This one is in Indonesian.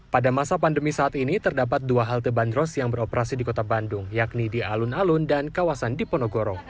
pada masa pandemi saat ini terdapat dua halte bandros yang beroperasi di kota bandung yakni di alun alun dan kawasan diponegoro